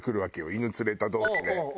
犬連れた同士で。